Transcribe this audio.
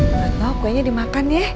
gak tau kayaknya dimakan ya